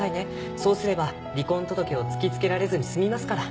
そうすれば離婚届を突き付けられずに済みますから。